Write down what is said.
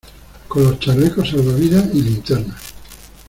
con los chalecos salva -- vidas y linternas.